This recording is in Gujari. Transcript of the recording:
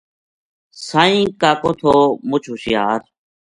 سائیں کاکو تھو مُچ ہشیار